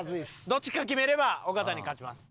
どっちか決めれば尾形に勝ちます。